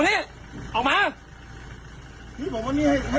เรียกว่าเมื่อกี้มันทำอะไรหนูออกมานี่